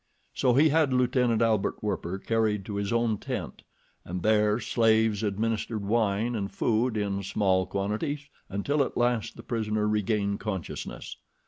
So he had Lieutenant Albert Werper carried to his own tent, and there slaves administered wine and food in small quantities until at last the prisoner regained consciousness.